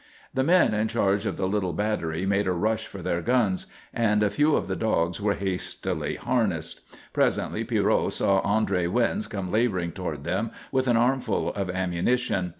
The men in charge of the little battery made a rush for their guns, and a few of the dogs were hastily harnessed. Presently Pierrot saw André Wyns come labouring toward them with an armful of ammunition.